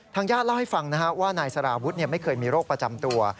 ญาติเล่าให้ฟังว่านายสารวุฒิไม่เคยมีโรคประจำตัว